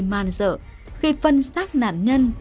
man dợ khi phân xác nạn nhân